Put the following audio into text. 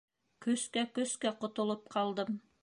Көскә-көскә ҡотолоп ҡалдым.